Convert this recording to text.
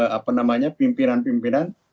jadi memang diperlukan apa namanya pimpinan pimpinan